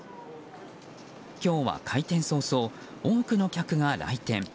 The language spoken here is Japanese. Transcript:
今日は開店早々、多くの客が来店。